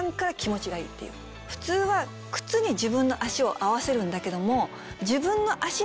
普通は靴に自分の足を合わせるんだけども。